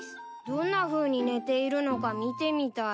どんなふうに寝ているのか見てみたい。